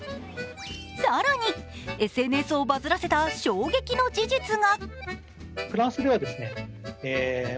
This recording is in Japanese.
更にＳＮＳをバズらせた衝撃の事実が。